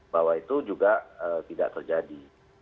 bahwa itu juga tidak terjadi